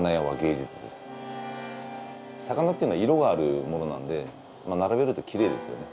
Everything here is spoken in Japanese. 魚っていうのは色があるものなので並べるときれいですよね。